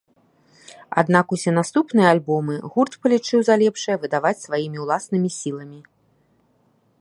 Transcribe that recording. Аднак усе наступныя альбомы гурт палічыў за лепшае выдаваць сваімі ўласнымі сіламі.